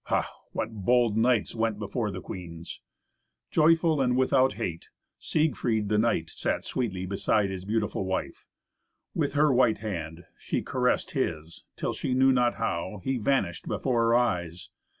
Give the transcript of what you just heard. Ha! what bold knights went before the queens! Joyful and without hate Siegfried the knight sat sweetly beside his beautiful wife. With her white hand she caressed his, till, she knew not how, he vanished from before her eyes.